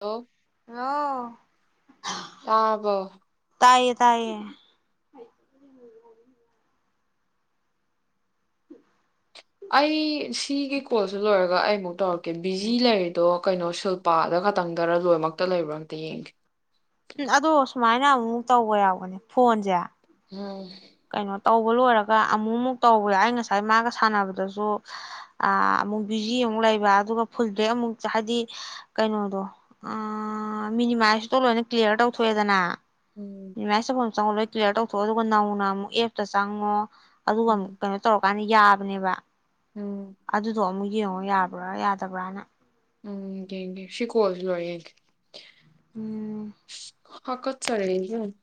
Hello ꯑꯣ ꯇꯥꯔꯕꯣ ꯇꯥꯏꯌꯦ ꯇꯥꯏꯌꯦ ꯑꯩ ꯁꯤꯒꯤ ꯀꯣꯜꯁꯤ ꯂꯣꯏꯔꯒ ꯑꯩꯃꯨꯛ ꯇꯧꯔꯛꯀꯦ ꯕꯤꯖꯤ ꯂꯩꯔꯤꯗꯣ ꯀꯩꯅꯣ ꯁꯤꯜꯄꯥꯗ ꯈꯛꯇꯪꯗꯔ ꯂꯣꯏꯅꯃꯛꯇ ꯂꯩꯕ꯭ꯔꯥ ꯑꯝꯇ ꯌꯦꯡꯒꯦ꯫ ꯎꯝ ꯑꯗꯣ ꯁꯨꯃꯥꯏꯅ ꯑꯃꯨꯛ ꯇꯧꯕ ꯌꯥꯎꯕꯅꯦ ꯐꯣꯟꯁꯦ꯫ ꯎꯝ ꯀꯩꯅꯣ ꯇꯧꯕ ꯂꯣꯏꯔꯒ ꯑꯃꯨꯛꯃꯨꯛ ꯇꯧꯕꯗ ꯑꯩ ꯉꯁꯥꯏ ꯃꯥꯒ ꯁꯥꯟꯅꯕꯗꯁꯨ ꯑꯃꯨꯛ ꯕꯤꯖꯤ ꯑꯃꯨꯛ ꯂꯩꯕ ꯑꯗꯨꯒ ꯐꯨꯜ ꯕꯦꯛ ꯑꯃꯨꯛ ꯍꯥꯏꯗꯤ ꯀꯩꯅꯣꯗꯣ ꯑꯥ ꯃꯤꯅꯤꯃꯥꯏꯁꯇꯣ ꯂꯣꯏꯅ ꯀ꯭ꯂꯤꯌꯥꯔ ꯇꯧꯊꯣꯛꯑꯦꯗꯅ ꯎꯝ [inaudible] ꯆꯧꯃꯟꯕꯩ ꯀꯂꯤꯌꯥꯔ ꯇꯧꯊꯣꯛꯎ ꯑꯗꯨꯒ ꯅꯧꯅ ꯑꯃꯨꯛ ꯑꯦꯞꯇ ꯆꯪꯉꯣ꯫ ꯑꯗꯨꯒ ꯑꯃꯨꯛ ꯎꯝ ꯀꯩꯅꯣ ꯇꯧꯔꯛꯀꯟꯅꯤ ꯌꯥꯕꯅꯦꯕ ꯎꯝ ꯑꯗꯨꯗꯨ ꯑꯃꯨꯛ ꯌꯦꯡꯉꯣ ꯌꯥꯕ꯭ꯔ ꯌꯥꯗꯕ꯭ꯔꯅ꯫ ꯎꯝ ꯌꯦꯡꯒꯦ ꯁꯤ-ꯀꯣꯜꯁꯤ ꯂꯣꯏꯔꯒ ꯌꯦꯡꯒꯦ꯫ ꯎꯝ ꯍꯥꯀꯠ ꯆꯥꯔꯛꯑꯦꯅꯦ ꯑꯃꯨꯛ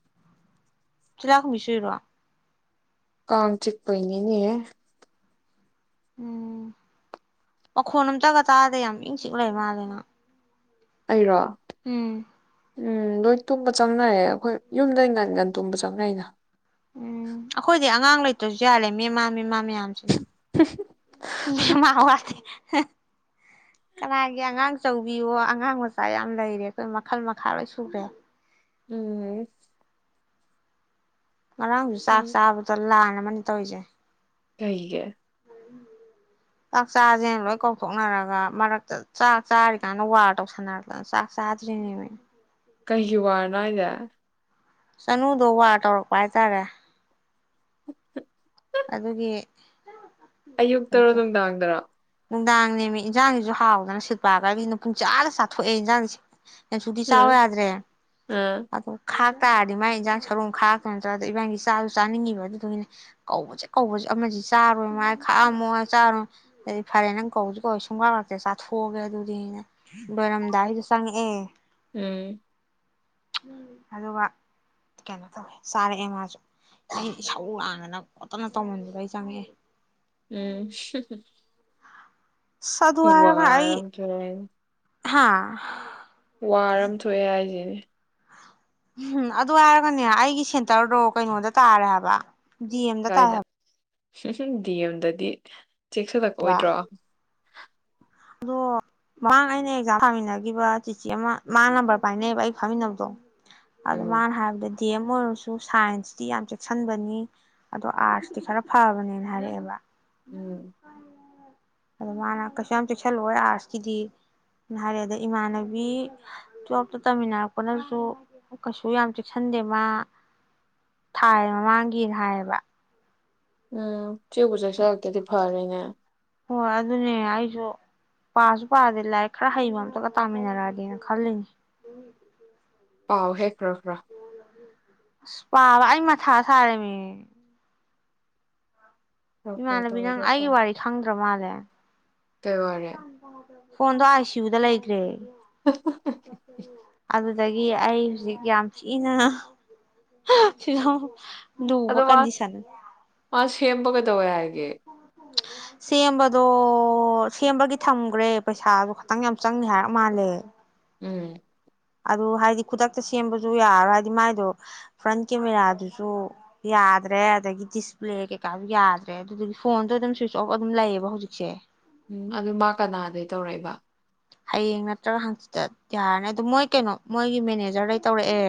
ꯇꯤꯂꯥꯏꯒꯣꯝꯕꯤ ꯆꯨꯔꯤꯔꯣ? ꯀꯥꯡ ꯆꯤꯛꯄꯩꯅꯤꯅꯦ ꯎꯝ ꯃꯈꯣꯟ ꯑꯝꯇꯒ ꯇꯥꯗꯦ ꯌꯥꯝ ꯏꯪ ꯆꯤꯛꯅ ꯂꯩꯕ ꯃꯥꯜꯂꯦ ꯃꯥ ꯑꯩꯔꯣ? ꯎꯝ ꯎꯝ ꯂꯣꯏ ꯇꯨꯝꯕ ꯆꯪꯅꯔꯦ ꯑꯈꯣꯏ ꯌꯨꯝꯗ ꯉꯟ ꯉꯟ ꯇꯨꯝꯕ ꯆꯪꯅꯩꯅ꯫ ꯎꯝ ꯑꯈꯣꯏꯗꯤ ꯑꯉꯥꯡ ꯂꯩꯇ꯭ꯔꯁꯨ ꯌꯥꯂꯦ ꯃꯦ-ꯃꯥ ꯃꯦ-ꯃꯥ ꯃꯌꯥꯝꯁꯤꯅ ꯃꯦ-ꯃꯥ ꯋꯥꯠꯇꯦ ꯍꯦ ꯀꯅꯥꯒꯤ ꯑꯉꯥꯡꯆꯧꯕꯤꯌꯣ ꯑꯉꯥꯡ ꯃꯆꯥ ꯌꯥꯝ ꯂꯩꯔꯦ ꯑꯈꯣꯏ ꯃꯈꯜ ꯃꯈꯥ ꯂꯣꯏ ꯁꯨꯔꯦ꯫ ꯎꯝ ꯉꯔꯥꯡꯁꯨ ꯆꯥꯛ ꯎꯝ ꯆꯥꯕꯗ ꯂꯥꯟ ꯑꯃꯅꯤ꯫ ꯇꯧꯔꯤꯖꯦ ꯀꯩꯒꯤ ꯆꯥꯛ ꯆꯥꯁꯦ ꯂꯣꯏ ꯀꯧꯊꯣꯛꯅꯔꯒ ꯃꯔꯛꯇ ꯆꯥꯛ ꯆꯥꯔꯤꯀꯥꯟꯗ ꯋꯥꯔ ꯇꯧꯁꯟꯅꯔꯛꯇꯅ ꯆꯥꯛ ꯆꯥꯗ꯭ꯔꯤꯅꯦꯃꯤ꯫ ꯀꯩꯒꯤ ꯋꯥꯔꯅꯣ ꯍꯥꯏꯔꯤꯁꯦ ꯆꯅꯨꯗꯣ ꯋꯥꯔ ꯇꯧꯔꯛꯄ ꯍꯥꯏꯇꯔꯦ꯫ ꯑꯗꯨꯒꯤ ꯑꯌꯨꯛꯇꯔꯣ ꯂꯩꯇꯦ ꯅꯨꯡꯗꯥꯡꯗꯔꯣ ꯅꯨꯡꯗꯥꯡꯅꯦꯃꯤ ꯏꯟꯖꯥꯡꯁꯤꯁꯨ ꯍꯥꯎꯗꯅ ꯁꯤꯜꯄꯥꯒ ꯑꯩꯒꯅ ꯄꯨꯡ ꯆꯥꯗ ꯆꯥꯊꯣꯛꯑꯦ ꯏꯟꯖꯥꯡꯁꯤ꯫ ꯀꯩꯁꯨꯗꯤ ꯆꯧ ꯎꯝ ꯌꯥꯗꯔꯦ ꯎꯝ ꯑꯗꯨꯝ ꯈꯥꯡ ꯇꯥꯔꯗꯤ ꯃꯥꯏ ꯏꯟꯖꯥꯡ ꯁꯔꯨꯛ ꯑꯃꯨꯛ ꯈꯥꯛ ꯉꯝꯖꯗꯦ ꯏꯕꯥꯅꯤ ꯆꯥꯁꯨ ꯆꯥꯅꯤꯡꯉꯤꯕ ꯑꯗꯨꯗꯨꯒꯤꯅꯤ ꯀꯧꯕꯁꯦ ꯀꯧꯕꯁꯦ ꯑꯃꯁꯤ ꯆꯥꯔꯣꯏ ꯑꯃꯨꯛ ꯍꯥꯏ ꯈꯥꯛ ꯑꯝꯃꯣ ꯆꯥꯔꯣꯏ ꯑꯗꯨꯗꯤ ꯐꯔꯦ ꯅꯪ ꯀꯧꯁꯨ ꯀꯧꯂꯣꯏ ꯁꯨꯡꯂꯥꯛ ꯂꯥꯛꯇꯦ ꯆꯥꯊꯣꯛꯑꯒꯦ ꯑꯗꯨꯗꯤꯅ ꯂꯣꯏꯔꯝꯗꯥꯏꯗ ꯆꯪꯉꯛꯑꯦ꯫ ꯎꯝ ꯑꯗꯨꯒ ꯀꯩꯅꯣ ꯇꯣꯑꯦ ꯆꯥꯔꯛꯑꯦ ꯃꯥꯁꯨ ꯑꯩ ꯏꯁꯧ ꯂꯥꯡꯗꯅ ꯈꯣꯠꯇꯅ ꯇꯧꯃꯟꯕꯗꯩ ꯆꯪꯉꯛꯑꯦ꯫ ꯎꯝ ꯑꯁ ꯑꯗꯨ ꯋꯥ ꯑꯔꯝ ꯆꯅꯤ ꯍꯥꯥ ꯋꯥꯔ ꯑꯃ ꯊꯣꯛꯑꯦ ꯍꯥꯏꯁꯤꯅꯦ [inaudible] ꯎꯝ ꯑꯗꯨ ꯍꯥꯏꯔꯒꯅꯦ ꯑꯩꯒꯤ ꯁꯦꯟꯇꯔꯗꯣ ꯀꯩꯅꯣꯗ ꯇꯥꯔꯦ ꯍꯥꯏꯕ ꯑꯦꯝꯗ ꯇꯥꯥꯏ ꯍꯥꯏꯕ ꯁꯨꯝ ꯁꯨꯝ ꯗꯤ ꯑꯝꯗꯗꯤ ꯆꯦꯛꯁꯤꯗꯛꯑꯣꯗ꯭ꯔꯣ ꯑꯗꯣ ꯃꯃꯥꯡ ꯑꯩꯅ ꯑꯦꯛꯖꯥꯝ ꯊꯥꯃꯤꯟꯅꯈꯤꯕ ꯆꯤꯆꯦ ꯑꯃ ꯃꯥ ꯅꯝꯕꯔ ꯄꯥꯏꯅꯦꯩꯕ ꯑꯩ ꯐꯥꯃꯤꯟꯅꯕꯗꯣ ꯑꯗ ꯎꯝ ꯃꯥꯅ ꯍꯥꯏꯗꯗꯤ ꯗꯤ ꯑꯦꯝ ꯑꯣꯏꯔꯁꯨ ꯁꯥꯏꯟꯁꯇꯤ ꯌꯥꯝ ꯆꯦꯛꯁꯤꯟꯕꯅꯤ ꯑꯗꯣ ꯑꯥꯔꯠꯁꯇꯤ ꯈꯔ ꯐꯕꯅꯦꯅ ꯍꯥꯏꯔꯛꯑꯦꯕ ꯅꯪ ꯎꯝ ꯀꯥꯏ ꯑꯗꯣ ꯃꯥꯅ ꯀꯩꯁꯨ ꯌꯥꯝ ꯆꯦꯛꯁꯜꯂꯑꯣꯏ ꯑꯥꯔꯠꯁꯀꯤꯗꯤ ꯍꯥꯏꯔꯦ ꯑꯗ ꯏꯃꯥꯟꯅꯕꯤ ꯇꯨꯋꯦꯜꯞꯇ ꯇꯝꯃꯤꯟꯅꯔꯛꯄꯅꯁꯨ ꯀꯩꯁꯨ ꯌꯥꯝ ꯆꯦꯛꯁꯤꯟꯗꯦ ꯃꯥ ꯊꯥꯏ ꯃꯃꯥꯡꯒꯤꯅ ꯍꯥꯏꯌꯦꯕ ꯎꯝ ꯆꯦ ꯆꯁꯦꯗꯤ ꯐꯔ ꯑ ꯍꯣꯏ ꯑꯗꯨꯅꯦ ꯑꯩꯁꯨ ꯄꯥꯁꯨ ꯄꯥꯗꯦ ꯂꯥꯏꯔꯤꯛ ꯈꯔ ꯍꯩꯕ ꯑꯝꯇꯒ ꯇꯥꯃꯤꯟꯅꯔꯛꯒꯦꯅ ꯈꯜꯂꯤꯅꯦ ꯑꯥꯎ ꯍꯦꯈ꯭ꯔꯣꯈ꯭ꯔ ꯄꯥꯕ ꯑꯩꯃ ꯊ ꯁꯥꯔꯦꯃꯤ ꯈꯔ ꯈꯔ ꯏꯃꯥꯟꯅꯕꯤ ꯅꯪ ꯇꯧꯔꯒ ꯑꯩꯒꯤ ꯄꯥꯎ ꯋꯥꯔꯤ ꯈꯪꯗ꯭ꯔ ꯃꯥꯜꯂꯦ ꯀꯩ ꯋꯥꯔꯦ ꯗ ꯐꯣꯟꯗꯣ ꯑꯥꯏꯁꯤꯌꯨꯗ ꯂꯩꯈ꯭ꯔꯦ ꯑꯗꯨ ꯑꯗꯒꯤ ꯑꯩ ꯍꯧꯖꯤꯛ ꯌꯥꯝ ꯊꯤꯅ ꯐꯤꯕꯝ ꯂꯨꯕ ꯑꯗꯣ ꯃꯥ ꯀꯟꯗꯤꯁꯅ ꯃꯥ ꯁꯦꯝꯕ ꯀꯩꯗꯧꯋꯦ ꯍꯥꯏꯒꯦ ꯁꯦꯝꯕꯗꯣ ꯁꯦꯝꯕꯒꯤ ꯊꯝꯈ꯭ꯔꯦ ꯄꯩꯁꯥꯁꯨ ꯈꯇꯪ ꯌꯥꯝ ꯆꯪꯅꯤ ꯍꯥꯏꯔ ꯃꯥꯜꯂꯦ ꯎꯝ ꯑꯗꯨ ꯍꯥꯏꯗꯤ ꯈꯨꯗꯛꯇ ꯁꯦꯝꯕꯁꯨ ꯌꯥꯔꯣꯏ ꯍꯥꯏꯗꯤ ꯃꯥꯏꯗꯣ ꯐ꯭ꯔꯟ ꯀꯦꯃꯦꯔꯥꯗꯨꯁꯨ ꯌꯥꯗ꯭ꯔꯦ ꯑꯗꯒꯤ ꯗꯤꯁꯄ꯭ꯂꯦ ꯀꯩꯀꯥꯁꯨ ꯌꯥꯗ꯭ꯔꯦ ꯑꯗꯨꯗꯒꯤ ꯐꯣꯟꯗꯣ ꯑꯗꯨꯝ ꯁ꯭ꯋꯤꯆ ꯑꯣꯐ ꯑꯗꯨꯝ ꯂꯩꯌꯦꯕ ꯍꯧꯖꯤꯛꯁꯦ ꯎꯝ ꯑꯗꯨ ꯃꯥ ꯀꯅꯥꯗꯒꯤ ꯇꯧꯔꯛꯏꯕ ꯍꯌꯦꯡ ꯅꯠꯇ꯭ꯔꯒ ꯍꯥꯡꯆꯤꯠꯇ ꯌꯥꯔꯅꯤ ꯑꯗꯨ ꯃꯣꯏ ꯀꯩꯅꯣ ꯃꯣꯏꯒꯤ ꯃꯦꯅꯦꯖꯔꯗꯩ ꯇꯧꯔꯛꯑꯦ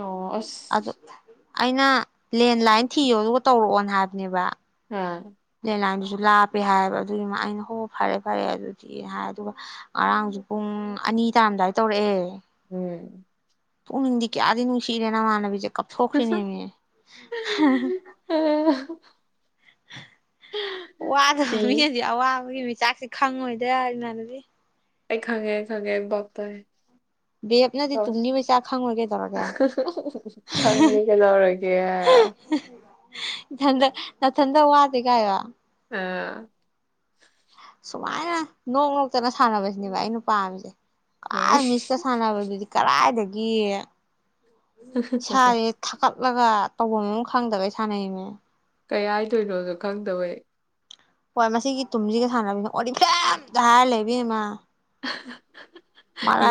ꯑꯣ ꯑꯗꯣ ꯑꯁ ꯑꯩꯅ ꯂꯦꯟꯂꯥꯏꯟ ꯊꯤꯌꯣ ꯑꯗꯨꯒ ꯇꯧꯔꯛꯑꯣꯅ ꯍꯥꯏꯕꯅꯦꯕ ꯑ ꯂꯥꯏꯟꯗꯨꯁꯨ ꯂꯥꯞꯄꯦ ꯍꯥꯏꯕ ꯑꯗꯨꯒꯤꯃ ꯑꯩꯅ ꯍꯣ ꯐꯔꯦ ꯐꯔꯦ ꯑꯗꯨꯗꯤ ꯍꯥꯏ ꯑꯗꯨꯒ ꯉꯔꯥꯡꯁꯨ ꯄꯨꯡ ꯑꯅꯤ ꯇꯥꯔꯝꯗꯥꯏꯗ ꯇꯧꯔꯛꯑꯦ ꯎꯝ ꯄꯨ ꯏꯤꯟꯗꯤ ꯀꯌꯥꯗꯤ ꯅꯨꯡꯁꯤꯔꯦꯅ ꯃꯥꯅꯕꯤꯖ ꯀꯥꯞꯊꯣꯛꯈ꯭ꯔꯤꯅꯦꯅꯦ ꯋꯥꯗꯕ ꯁꯤ ꯃꯤꯗꯤ ꯑꯋꯥꯕꯒꯤ ꯃꯤ ꯆꯥꯛꯁꯤ ꯈꯪꯉꯣꯏꯗ ꯢꯃꯟꯅꯕꯤ ꯑꯦ ꯈꯉꯦ ꯈꯉꯦ ꯕꯞ ꯇꯥꯏ ꯕꯦꯞꯅꯗꯤ ꯇꯨꯡꯗꯤ ꯃꯩꯆꯥ ꯈꯪꯉꯣꯏ ꯀꯩꯗꯧꯔꯒꯦ ꯈꯪꯒꯦ ꯀꯩꯗꯧ ꯏꯊꯟꯗ ꯅ ꯊꯟꯗ ꯋꯥꯗꯒ ꯑ ꯁꯨꯃꯥꯏꯅ ꯅꯣꯛ ꯅꯣꯛꯇꯅ ꯁꯥꯟꯅꯕꯁꯤꯅꯦꯕ ꯑꯩꯅ ꯄꯥꯝꯃꯤꯁꯦ ꯀꯥꯏ ꯃꯤꯁꯀ ꯁꯥꯟꯅꯅꯕ ꯑꯗꯨꯗꯤ ꯀꯔꯥꯏ ꯌꯦ ꯁꯥꯔꯦ ꯊꯥꯀꯠꯂꯒ ꯇꯧꯐꯝ ꯈꯪꯗꯒꯩ ꯁꯥꯟꯅꯩꯅꯦ ꯀꯩ ꯍꯥꯏꯗꯣꯏꯅꯣꯗꯣ ꯈꯪꯗꯕꯩ ꯍꯣꯏ ꯃꯁꯤꯒꯤ ꯇꯨꯝꯁꯤꯒ ꯁꯥꯟꯅꯕꯅ ꯑꯣꯔꯤꯐꯂꯦꯝꯇ ꯍꯥꯏꯔ ꯂꯩꯩ ꯢꯕꯦꯝꯃ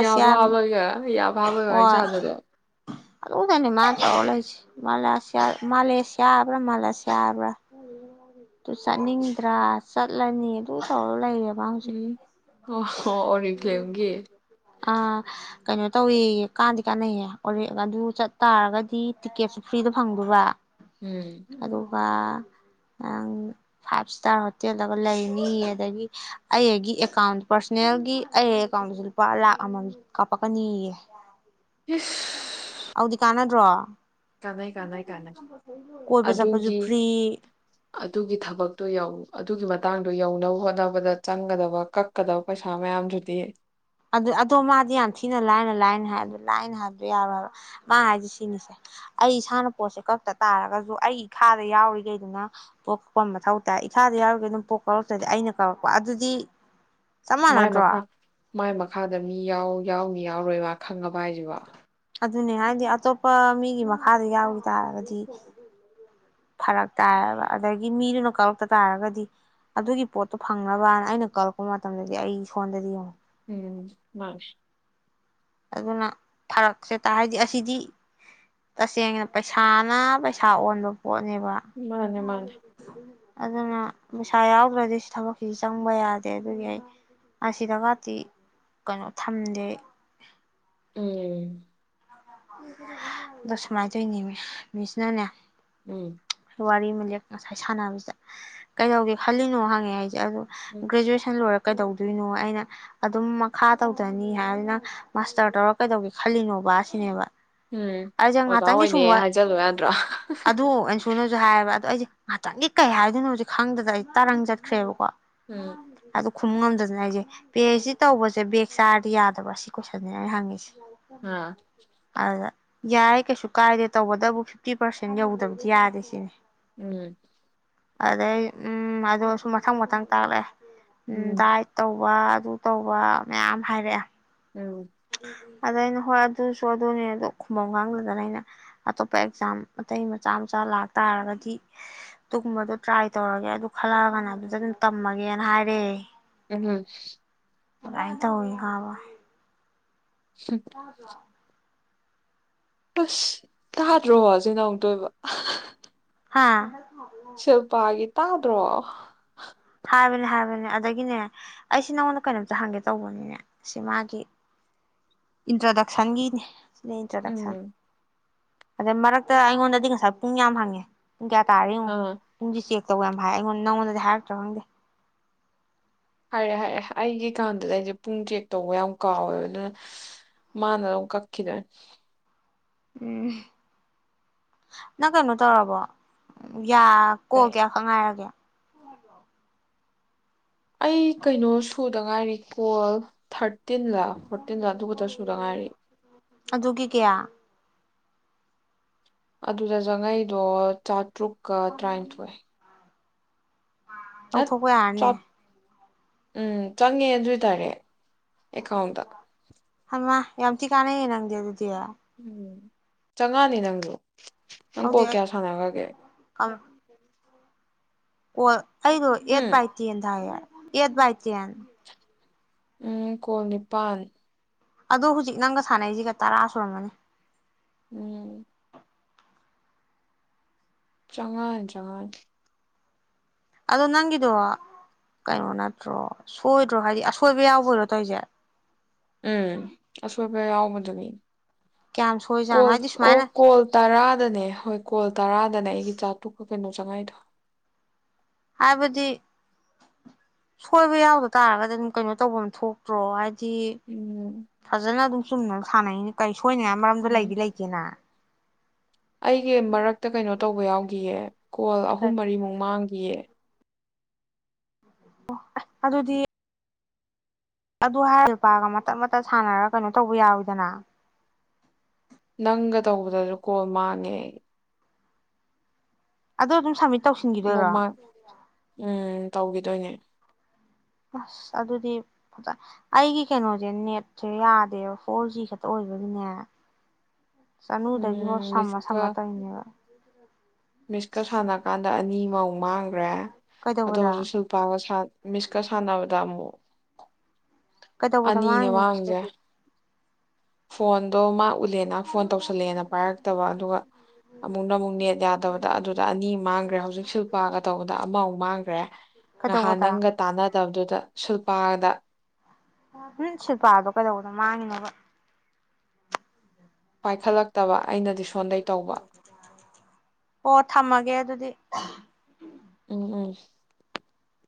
ꯌꯥꯕ ꯍꯕꯒ [unintelligible] ꯌꯥ ꯍꯣꯢ ꯑꯣꯗꯨꯗꯅꯤ ꯃꯥꯅ [unintelligible] ꯃꯥꯂꯦꯁꯤꯌꯥ ꯍꯥꯢꯕ꯭ꯔꯥ ꯃꯥꯂꯁꯤꯌꯥ ꯍꯥꯢꯕ꯭ꯔꯥ ꯑꯗꯨ ꯆꯠꯅꯤꯡꯗ꯭ꯔꯥ ꯆꯠꯂꯅꯤ ꯑꯗꯨ ꯇꯧꯔ ꯂꯩꯌꯦꯕ ꯋꯥꯍꯪꯁꯤ ꯎꯝ ꯑꯣ ꯑꯣꯔꯤꯐꯂꯦꯝꯒꯤ ꯑꯥ ꯀꯩꯅꯣ ꯇꯧꯑꯦꯌꯦ ꯀꯥꯟꯗꯤ ꯀꯥꯟꯅꯩꯌꯦ ꯑꯗꯨ ꯆꯠꯇꯥꯥꯔꯒꯗꯤ ꯇꯤꯛꯀꯦꯠꯁꯨ ꯐ꯭ꯔꯤꯗ ꯐꯪꯗꯣꯢꯕ ꯎꯝ ꯑꯗꯨꯒ ꯅꯪ ꯐꯥꯏꯚ ꯏꯁꯇꯥꯔ ꯍꯣꯇꯦꯜꯗꯒ ꯂꯩꯅꯤ ꯑꯗꯒꯤ ꯑꯩꯒꯤ ꯑꯦꯀꯥꯎꯟ ꯄꯥꯔꯁꯣꯅꯦꯜꯒꯤ ꯑꯩ ꯑꯦꯀꯥꯎꯟꯗꯁꯨ ꯂꯨꯄꯥ ꯂꯥꯛ ꯑꯃꯃꯝ ꯀꯥꯞꯄꯛꯀꯅꯤꯌꯦ ꯏꯁ ꯑꯧꯗꯤ ꯀꯥꯟꯅꯗ꯭ꯔꯣ ꯀꯥꯟꯅꯩ ꯀꯥꯟꯅꯩ ꯀꯥꯟꯅꯩ ꯀꯣꯏꯕ ꯆꯠꯄꯁꯨ ꯑꯗꯨꯒꯤ ꯐ꯭ꯔꯤ ꯑꯗꯨꯒꯤ ꯊꯕꯛꯇꯣ ꯌꯥꯎ ꯑꯗꯨꯒꯤ ꯃꯇꯥꯡꯗꯣ ꯌꯧꯅꯕ ꯍꯣꯠꯅꯕꯗ ꯆꯪꯒꯗꯕ ꯀꯛꯀꯗꯕ ꯄꯩꯁꯥ ꯃꯌꯥꯝꯗꯨꯗꯤ ꯑꯗꯨ ꯑꯗꯣ ꯃꯥꯗꯤ ꯌꯥꯝ ꯊꯤꯅ ꯂꯥꯏꯅ ꯂꯥꯏꯅ ꯍꯥꯏ ꯂꯥꯏꯅ ꯍꯥꯏꯕꯗꯣ ꯌꯥꯔꯣꯏ ꯍꯥꯏꯕ ꯃꯥ ꯍꯥꯏꯁꯤ ꯁꯤꯅꯤꯁꯦ ꯑꯩ ꯏꯁꯥꯅ ꯄꯣꯠꯁꯦ ꯀꯛꯇ ꯇꯥꯔꯒꯁꯨ ꯑꯩ ꯏꯈꯥꯗ ꯌꯥꯎꯔꯤꯈꯩꯗꯨꯅ ꯄꯣꯛ ꯀꯛꯄ ꯃꯊꯧ ꯇꯥꯏ ꯏꯈꯥꯗ ꯌꯥꯎꯔꯤꯈꯩ ꯑꯗꯨꯝ ꯄꯣꯛ ꯀꯛꯔꯛꯇ꯭ꯔꯗꯤ ꯑꯩꯅ ꯀꯛꯔꯛꯄ ꯑꯗꯨꯗꯤ ꯆꯞ ꯃꯥꯏ ꯃꯥꯟꯅꯗ꯭ꯔꯣ ꯃꯈꯥ ꯃꯥꯏ ꯃꯈꯥꯗ ꯃꯤ ꯌꯥꯎ ꯌꯥꯎꯅꯤ ꯌꯥꯎꯔꯣꯏ ꯃꯥ ꯈꯪꯉꯕ ꯍꯥꯏꯁꯤꯕꯣ ꯑꯗꯨꯅꯦ ꯍꯥꯏꯗꯤ ꯑꯇꯣꯞꯄ ꯃꯤꯒꯤ ꯃꯈꯥꯗ ꯌꯥꯎꯒꯤ ꯇꯥꯔꯒꯗꯤ ꯐꯔꯛ ꯇꯥꯏꯑꯦꯕ ꯑꯗꯒꯤ ꯃꯤꯗꯨꯅ ꯀꯛꯂꯛꯇ ꯇꯥꯔꯒꯗꯤ ꯑꯗꯨꯒꯤ ꯄꯣꯠꯇꯣ ꯐꯪꯅꯕꯅ ꯑꯩꯅ ꯀꯛꯂꯛꯄ ꯃꯇꯝꯗꯗꯤ ꯑꯩ ꯁꯣꯟꯗꯗꯤ ꯌꯦꯡꯉꯨ ꯎꯝ ꯃꯥꯅꯤ ꯑꯗꯨꯅ ꯐꯔꯛꯁꯦ ꯇꯥ ꯍꯥꯏꯗꯤ ꯑꯁꯤꯗꯤ ꯇꯁꯦꯡꯅ ꯄꯩꯁꯥꯅ ꯄꯩꯁꯥ ꯑꯣꯟꯕ ꯄꯣꯠꯅꯦꯕ ꯃꯥꯅꯦ ꯃꯥꯅꯦ ꯑꯗꯨꯅ ꯄꯩꯁꯥ ꯌꯥꯎꯗ꯭ꯔꯗꯤ ꯊꯕꯛꯁꯤꯁꯨ ꯆꯪꯕ ꯌꯥꯗꯦ ꯑꯗꯨꯒꯤ ꯑꯩ ꯑꯁꯤꯗ ꯒꯇꯤ ꯀꯩꯅꯣ ꯊꯝꯗꯦ [unintelligible] ꯎꯝ ꯑꯣ ꯁꯨꯃꯥꯏꯇꯣꯏꯅꯦꯃꯤ ꯃꯤꯁꯅꯅꯦ ꯎꯝ ꯋꯥꯔꯤ ꯑꯃ ꯂꯦꯞ ꯉꯁꯥꯏ ꯁꯥꯟꯅꯕꯁꯤꯗ ꯀꯩꯗꯧꯒꯦ ꯈꯜꯂꯤꯅꯣ ꯍꯪꯉꯦ ꯑꯩꯁꯦ ꯑꯗꯨ ꯎꯝ ꯒ꯭ꯔꯦꯖꯨꯌꯦꯁꯟ ꯂꯣꯏꯔꯒ ꯀꯩꯗꯧꯗꯣꯏꯅꯣ ꯑꯩꯅ ꯑꯗꯨꯝ ꯃꯈꯥ ꯇꯧꯗꯅꯤ ꯍꯥꯏꯗꯅ ꯃꯥꯁꯇꯔ ꯇꯧꯔ ꯀꯩꯗꯧꯒꯦ ꯈꯜꯂꯤꯅꯣ ꯕꯥ ꯁꯤꯅꯦꯕ ꯎꯝ ꯑꯩꯁꯦ ꯑꯣꯖꯥ ꯉꯥꯛꯇꯪꯒꯤ ꯁꯨꯝ ꯑꯣꯏꯅꯦ ꯍꯥꯏꯖꯜꯂꯨ ꯌꯥꯗ꯭ꯔꯣ ꯁꯨꯅꯁꯨ ꯍꯥꯏꯌꯦꯕ ꯑꯗꯣ ꯑꯩꯁꯤ ꯉꯥꯛꯇꯪꯗꯤ ꯀꯩ ꯍꯥꯏꯗꯣꯏꯅꯣꯁꯦ ꯈꯪꯗꯗ ꯑꯩ ꯇꯥꯔꯪ ꯆꯠꯈ꯭ꯔꯦꯕꯀꯣ ꯎꯝ [unintelligible] ꯈꯨꯝ ꯉꯝꯗꯗꯅ ꯑꯩꯁꯦ ꯄꯤ ꯍꯩꯁ ꯗꯤ ꯇꯧꯕꯁꯦ ꯕꯦꯛ ꯆꯥꯔꯗꯤ ꯌꯥꯗꯕ ꯁꯤ ꯀꯣꯏꯁꯟꯅꯦ ꯑꯩꯅ ꯍꯪꯉꯤꯁꯦ ꯑ ꯌꯥ [unintelligible] ꯑꯗꯨꯗ ꯌꯥꯏ ꯀꯩꯁꯨ ꯀꯥꯏꯗꯦ ꯇꯧꯕꯇꯕꯨ ꯐꯤꯐꯇꯤ ꯄꯥꯔꯁꯦꯟ ꯌꯧꯗꯕꯗꯤ ꯌꯥꯗꯦ ꯁꯤꯅꯤ ꯎꯝ ꯑꯗꯩ ꯎꯝ ꯑꯗꯨꯁꯨ ꯃꯊꯪ ꯃꯊꯪ ꯇꯥꯛꯂꯦ ꯎꯝ ꯗꯥꯏ ꯇꯧꯋꯥ ꯑꯗꯨ ꯇꯧꯕ ꯃꯌꯥꯝ ꯍꯥꯏꯔꯛꯑꯦ ꯎꯝ ꯎ [inaudible] ꯑꯗ ꯑꯩꯅ ꯍꯣꯏ ꯑꯗꯨꯁꯨ ꯑꯗꯨꯅꯦ ꯑꯗ ꯈꯨꯃꯪ ꯈꯪꯗꯗꯅ ꯑꯩꯅ ꯑꯇꯣꯞꯄ ꯑꯦꯛꯖꯥꯝ ꯑꯇꯩ ꯃꯆꯥ ꯃꯆꯥ ꯂꯥꯛꯇꯥꯥꯔꯒꯗꯤ ꯑꯗꯨꯒꯨꯝꯕꯗꯣ ꯇ꯭ꯔꯥꯏ ꯇꯧꯔꯒꯦ ꯑꯗꯨ ꯈꯜꯂꯛꯑꯒꯅ ꯑꯗꯨꯗ ꯑꯗꯨꯝ ꯇꯝꯃꯒꯦꯅ ꯍꯥꯏꯔꯦ ꯎꯃꯍꯨ ꯥꯏꯗꯨꯃꯥꯏ ꯇꯧꯏ ꯈꯪꯉꯕ ꯇꯥꯗꯔꯣ ꯈꯁ ꯇꯥꯗꯔꯣ ꯁꯤꯅ ꯑꯡꯇꯣꯏꯕ [unintelligible] ꯍꯥꯥ ꯁꯤꯜꯄꯒꯤ ꯇꯥꯗꯔꯣ ꯍꯥꯏꯕꯅꯦ ꯍꯥꯏꯕꯅꯦ ꯑꯗꯒꯤꯅꯦ ꯑꯩꯁꯤ ꯅꯪꯉꯣꯟꯗ ꯀꯩꯅꯣꯝꯇ ꯍꯪꯒꯦ ꯇꯧꯕꯅꯤꯅꯦ ꯁꯤ ꯃꯥꯒꯤ ꯏꯟꯇ꯭ꯔꯣꯗꯛꯁꯟꯒꯤꯅꯦ ꯁꯤꯅ ꯏꯟꯇ꯭ꯔꯣꯗꯛꯁꯟ ꯎꯝ ꯑꯗꯩ ꯃꯔꯛꯇ ꯑꯩꯉꯣꯟꯗꯗꯤ ꯉꯁꯥꯏ ꯄꯨꯡ ꯌꯥꯝ ꯍꯪꯉꯦ ꯨ ꯄꯨꯡ ꯀꯌꯥ ꯇꯥꯔꯦ ꯌꯦꯡꯉꯨ ꯑꯥ ꯄꯨꯡꯖꯦ ꯆꯦꯀ ꯇꯧꯋꯦ ꯌꯥꯝ ꯍꯥꯏ ꯑꯩꯉꯣꯟꯗ ꯅꯉꯣꯟꯗꯤ ꯍꯥꯏꯔꯛꯇ꯭ꯔꯣ ꯈꯪꯗꯦ ꯍꯥꯏꯔꯦ ꯍꯥꯏꯔꯦ ꯑꯩꯒꯤꯀꯥꯟꯗꯨꯗ ꯑꯩꯁꯦ ꯄꯨꯡ ꯆꯦꯛ ꯇꯧꯕ ꯌꯥꯝ ꯀꯥꯎꯋꯦꯕ ꯑꯗꯨꯅ ꯃꯥꯅ ꯑꯗꯨꯝ ꯀꯛꯈꯤꯗꯣꯏꯅꯦ ꯎꯝ ꯅꯪ ꯀꯩꯅꯣ ꯇꯧꯔꯕꯣ ꯌꯥ ꯀꯣꯜ ꯀꯩ ꯀꯌꯥ ꯈꯪ ꯉꯥꯏꯔꯒꯦ ꯑꯩ ꯀꯩꯅꯣ ꯊꯨꯗ ꯉꯥꯏꯔꯤ ꯀꯣꯜ ꯊꯥꯔꯠ ꯐꯣꯔꯇꯤꯟ ꯂꯥ ꯐꯣꯔꯇꯤꯟ ꯂꯥ ꯑꯗꯨꯕꯨꯗ ꯁꯨꯗ ꯉꯥꯏꯔꯤ ꯑꯗꯨꯒꯤ ꯀꯌꯥ ꯑꯗꯨꯗꯖꯪꯉꯩꯏꯗꯣ ꯇ꯭ꯔꯨꯛꯀ ꯇꯔꯥꯅꯤꯊꯣꯏ ꯅꯠ ꯂꯧꯊꯣꯛꯄ ꯌꯥꯔꯅꯤ ꯆꯥꯠ ꯎꯝ ꯆꯪꯉꯦ ꯑꯗꯨꯏ ꯗꯥꯏꯔꯦꯛ ꯑꯦꯀꯥꯎꯟꯗ ꯍꯩꯃꯥ ꯌꯥꯝꯊꯤ ꯀꯥꯟꯅ ꯌꯦ ꯅꯪꯗꯦ ꯑꯗꯨꯗꯤ ꯎꯝ ꯆꯪꯉꯅꯤ ꯅꯪꯁꯨ ꯅꯪ ꯀꯣ ꯍꯧꯗꯤ ꯑꯩ ꯀꯌꯥ ꯁꯅ ꯈꯔꯥꯒꯦ ꯑꯣ ꯑꯩꯗꯨ ꯌꯦꯠ ꯎꯝ ꯕꯥꯏ ꯇꯦꯗ ꯊꯥꯏꯌꯦ ꯑꯦꯠ ꯕꯥꯏ ꯇꯦꯟ ꯎꯝ ꯀꯨꯜꯅꯤꯄꯥꯜ ꯑꯗ ꯍꯧꯖꯤꯛ ꯅꯪꯒ ꯁꯥꯟꯅꯩꯁꯤꯒ ꯇꯔꯥ ꯁꯨꯔꯝꯒꯅꯤ ꯎꯝ ꯆꯉꯥꯟ ꯆꯉꯥꯟ ꯑꯗꯣ ꯅꯪꯒꯤꯗꯣ ꯀꯩꯅꯣ ꯅꯠꯇ꯭ꯔꯣ ꯁꯣꯏꯗ꯭ꯔꯣ ꯍꯥꯏꯕꯗꯤ ꯑꯁꯣꯏꯕ ꯌꯥꯎꯕ ꯑꯣꯏꯔꯣ ꯇꯧꯔꯤꯁꯦ ꯎꯝ ꯑꯁꯣꯏꯕ ꯌꯥꯎꯕꯗꯅꯤ ꯀꯌꯥꯝ ꯁꯣꯏꯖꯥꯠꯅꯣ ꯀꯣꯜ ꯍꯥꯏꯗꯤ ꯑꯣ ꯁꯨꯃꯥꯏꯅ ꯀꯣꯜ ꯇꯔꯥꯗꯅꯦ ꯍꯣꯏ ꯀꯣꯜ ꯇꯔꯥꯗꯅꯦ ꯑꯩꯒꯤ ꯆꯥꯇꯨꯛꯛ ꯀꯩꯅꯣ ꯆꯪꯉꯥꯏꯗ ꯍꯥꯏꯕꯗꯤ ꯁꯣꯏꯕ ꯌꯥꯎꯗ ꯇꯥꯔꯒꯗꯤ ꯑꯗꯨꯝ ꯀꯩꯅꯣ ꯇꯧꯕ ꯑꯃ ꯊꯣꯛꯇ꯭ꯔꯣ ꯍꯥꯏꯗꯤ ꯗꯤ ꯎꯝ ꯐꯖꯅ ꯑꯗꯨꯝ ꯆꯨꯝꯅ ꯁꯥꯏꯅꯤ ꯀꯥꯏ ꯁꯣꯏꯅꯤꯡꯉꯥꯏ ꯃꯔꯝꯗꯣ ꯎꯝ ꯂꯩꯗꯤ ꯂꯩꯇꯦꯅ ꯑꯩꯒꯤ ꯃꯔꯛꯇ ꯀꯩꯅꯣ ꯇꯧꯕ ꯌꯥꯎꯈꯤꯌꯦ ꯀꯣꯜ ꯑꯍꯨꯝ ꯃꯔꯤꯃꯨꯛ ꯃꯥꯡꯈꯤ ꯌꯦ ꯑꯣ ꯑꯗꯨꯗꯤ ꯑꯗꯨ ꯍꯥꯏꯔ ꯂꯨꯄꯥꯒ ꯃꯇꯠ ꯃꯇꯠ ꯁꯥꯟꯅꯔꯒ ꯀꯩꯅꯣ ꯇꯧꯕ ꯌꯥꯋꯤꯗꯅ ꯅꯪꯒ ꯇꯧꯕꯗꯁꯨ ꯀꯣꯜ ꯃꯥꯟꯉꯦ ꯑꯗꯨꯗꯣ ꯑꯗꯨꯝ ꯁꯃꯤ ꯃꯃ ꯎꯝ ꯇꯧꯈꯤꯗꯣꯏꯅꯦ ꯑꯁ ꯑꯗꯨꯗꯤꯖ ꯑꯩꯒꯤ ꯀꯩꯅꯣꯁꯦ ꯅꯦꯠꯁꯦ ꯌꯥꯗꯦꯕ ꯐꯣꯔ ꯖꯤ ꯈꯛꯇ ꯑꯣꯏꯕꯒꯤꯅꯦ ꯁꯅꯨꯗꯗꯤ ꯍ ꯎꯝ ꯁ ꯁꯥ ꯇ ꯏꯅ ꯎ ꯃꯤꯁꯀꯔ ꯁꯥꯟꯅ ꯀꯥꯟꯗ ꯑꯅꯤ ꯃꯥꯡꯈ꯭ꯔꯦ ꯑꯗꯣ ꯀꯩꯗꯧꯕꯗ ꯍꯧꯖꯤꯛ ꯁꯨꯜꯄꯥꯒ ꯃꯤꯁꯀ ꯁꯥꯟꯅꯕꯗ ꯑꯃꯨꯛ ꯀꯩꯗꯧꯕꯗ ꯃꯥꯡꯉꯤꯅꯣ ꯍꯥꯏꯁꯤꯀꯗꯤ ꯐꯣꯟꯗ ꯃꯥ ꯎ ꯂ ꯅꯍꯥꯛ ꯐꯣꯟ ꯇꯧꯁꯜꯂꯦꯅ ꯄꯥꯏꯔꯛꯇꯕ ꯑꯗꯨꯒ ꯑꯃꯨꯛꯅ ꯑꯃꯨꯛ ꯅꯦꯠ ꯌꯥꯗꯕꯗ ꯑꯗꯨꯗ ꯑꯅꯤ ꯃꯥꯡꯈ꯭ꯔꯦ ꯍꯧꯖꯤꯛ ꯁꯤꯜꯄꯥꯒ ꯇꯧꯕꯗ ꯑꯃꯐꯥꯎꯛ ꯃꯥꯡꯈ꯭ꯔꯦ ꯉꯍꯥꯟ ꯀꯩꯗꯧꯕꯗ ꯅꯪꯒ ꯇꯥꯟꯅꯗꯕꯗꯨꯗ ꯄꯥꯗ ꯁꯤꯠ ꯄꯥꯗꯣ ꯀꯩꯗꯧꯕꯅꯣ ꯃꯥꯡꯉꯤꯕ ꯄꯥꯏꯈꯠꯂꯛꯇꯕ ꯑꯩꯅꯗꯤ ꯁꯣꯟꯗꯩ ꯇꯧꯕ ꯑꯣ ꯊꯝꯃꯒꯦ ꯑꯗꯨꯗꯤ [unintelligible] ꯑ